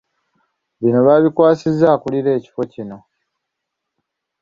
Bino baabikwasizza akulira ekifo kino .